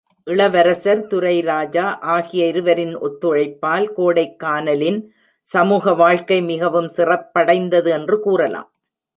இளவரசர், துரைராஜா ஆகிய இருவரின் ஒத்துழைப்பால் கோடைக்கானலின் சமூக வாழ்க்கை மிகவும் சிறப்படைந்தது என்று கூறலாம்.